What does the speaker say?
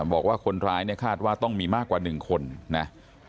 บอกว่าคนร้ายเนี่ยคาดว่าต้องมีมากกว่า๑คนนะ